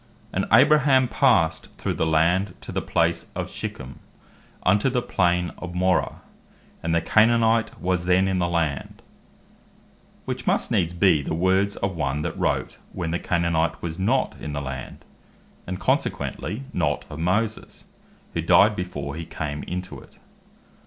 6 "And Abraham passed through the land to the place of Sichem, unto the plain of Moreh, and the Canaanite was then in the land;" which must needs bee the words of one that wrote when the Canaanite was not in the land; and consequently, not of Moses, who dyed before he came into it.